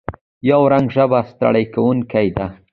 یو رنګي ژبه ستړې کوونکې ده.